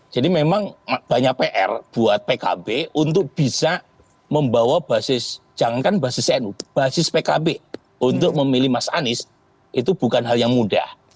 jadi memang banyak pr buat pkb untuk bisa membawa basis jangankan basis nu basis pkb untuk memilih mas anies itu bukan hal yang mudah